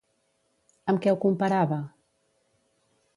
Amb què ho comparava?